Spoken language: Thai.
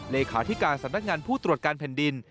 เลขาธิการสำนักงานผู้ตรวจการแผ่นดิน